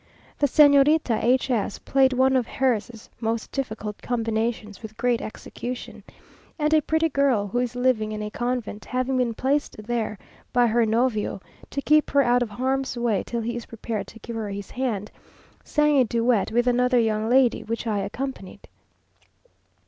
The Señorita H s played one of Herz's most difficult combinations with great execution, and a pretty girl, who is living in a convent, having been placed there by her novio, to keep her out of harm's way till he is prepared to give her his hand, sang a duet with another young lady, which I accompanied.